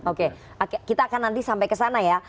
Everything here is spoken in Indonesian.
oke kita akan nanti sampai ke sana ya